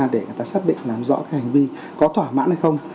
để người ta xác định làm rõ cái hành vi có thỏa mãn hay không